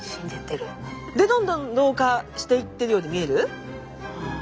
でどんどん老化していってるように見える？